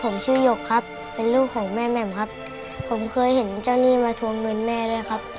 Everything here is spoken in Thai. ผมชื่อหยกครับเป็นลูกของแม่แหม่มครับผมเคยเห็นเจ้าหนี้มาทวงเงินแม่ด้วยครับ